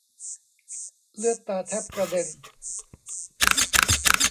เลือดตาแทบกระเด็น